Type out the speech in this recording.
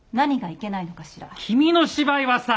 君の芝居はさ！